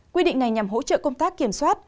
quy định này nhằm hỗ trợ công tác kiểm soát